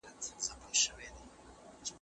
د ميرويس خان نيکه د پاڅون اغېز پر سیمه څه و؟